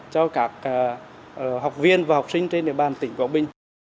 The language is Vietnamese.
cho các học viên và học sinh trên địa bàn tỉnh quảng bình